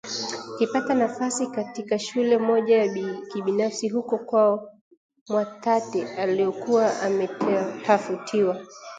akipata nafasi katika shule moja ya kibinafsi huko kwao Mwatate aliyokuwa ametafutiwa